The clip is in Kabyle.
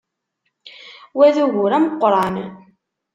Wa d ugur ameqqran!